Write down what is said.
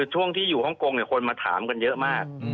ทรวงที่อยู่ห้องกงคนมาถามมาก